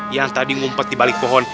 yang tadi ngumpet di balik pohon